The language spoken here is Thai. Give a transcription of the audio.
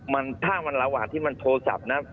มันถ้ามันระหว่างที่มันโทรศัพท์นะ